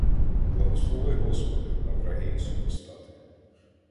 — Благослови, Господи, на враги і супостати!